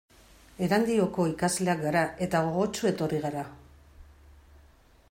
Erandioko ikasleak gara eta gogotsu etorri gara.